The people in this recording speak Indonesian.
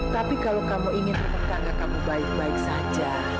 tapi kalau kamu ingin karena kamu baik baik saja